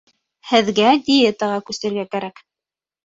Һеҙгә диетаға күсергә кәрәк.